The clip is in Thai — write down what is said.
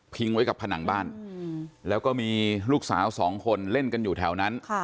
ไว้กับผนังบ้านแล้วก็มีลูกสาวสองคนเล่นกันอยู่แถวนั้น